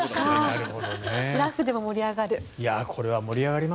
しらふでも盛り上がる。